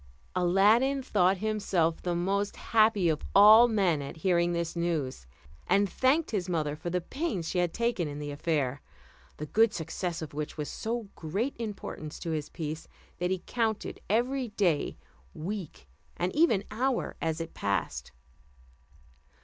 Aladdin thought himself the most happy of all men at hearing this news, and thanked his mother for the pains she had taken in the affair, the good success of which was of so great importance to his peace, that he counted every day, week, and even hour as it passed.